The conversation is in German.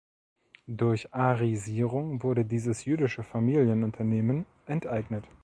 Durch Arisierung wurde dieses jüdische Familienunternehmen enteignet.